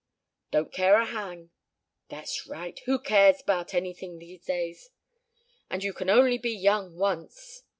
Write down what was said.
"Don't care a hang." "That's right. Who cares about anything these days? And you can only be young once."